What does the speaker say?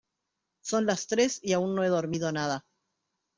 Son las tres y aún no he dormido nada.